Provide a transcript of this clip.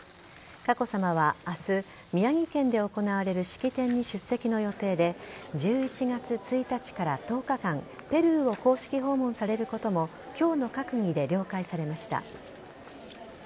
佳子さまは明日宮城県で行われる式典に出席の予定で１１月１日から１０日間ペルーを公式訪問されることも今日の閣議で了解されました。